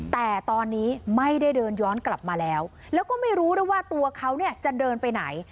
แต่ตอนนี้ไม่ได้เดินย้อนกลับมาแล้วแล้วก็ไม่รู้ด้วยว่าตัวเขาเนี่ยจะเดินไปไหน